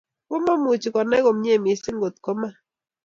Komuchi konai komye mising ngot kuman